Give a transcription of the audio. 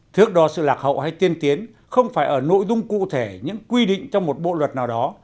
thước đo sự lạc hậu hay tiên tiến không phải ở nội dung cụ thể những quy định trong một bộ luật nào đó